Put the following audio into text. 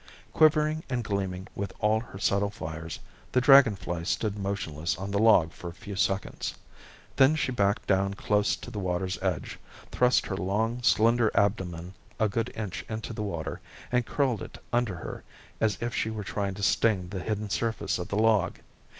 Quivering and gleaming with all her subtle fires, the dragon fly stood motionless on the log for a few seconds. Then she backed down close to the water's edge, thrust her long, slender abdomen a good inch into the water, and curled it under her as if she were trying to sting the hidden surface of the log.